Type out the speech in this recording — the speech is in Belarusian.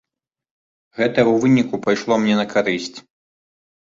Гэта ў выніку пайшло мне на карысць.